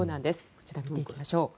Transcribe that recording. こちら、見ていきましょう。